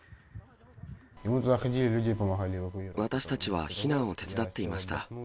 私たちは避難を手伝っていました。